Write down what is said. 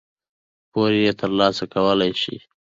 پور یې ترلاسه کولای شو.